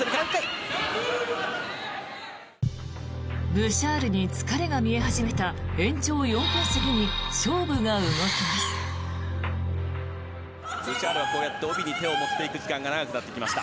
ブシャールに疲れが見え始めた延長４分過ぎに勝負が動きます。